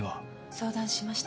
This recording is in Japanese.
相談しました。